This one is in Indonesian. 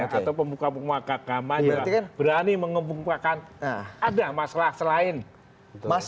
atau pembuka pembuka agama berani mengembangkan ada masalah selain bahkan membakar ini